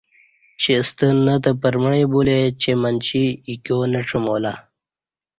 چہ ستہ نہ تہ پرمعی بلے چہ منچی ایکیو نہ ڄمالہ